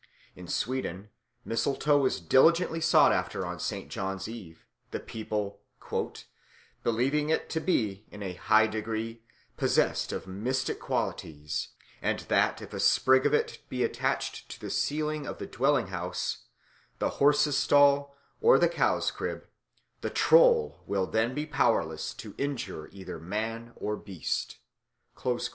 In Sweden mistletoe is diligently sought after on St. John's Eve, the people "believing it to be, in a high degree, possessed of mystic qualities; and that if a sprig of it be attached to the ceiling of the dwelling house, the horse's stall, or the cow's crib, the Troll will then be powerless to injure either man or beast."